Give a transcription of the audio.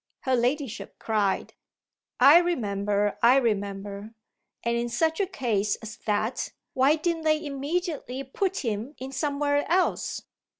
her ladyship cried. "I remember I remember. And in such a case as that why didn't they immediately put him in somewhere else?"